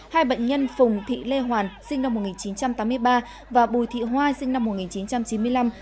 hai bệnh nhân phùng thị lê hoàn sinh năm một nghìn chín trăm tám mươi ba và bùi thị hoa sinh năm một nghìn chín trăm chín mươi năm